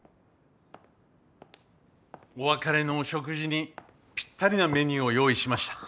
お別れのお食事にぴったりなメニューを用意しました。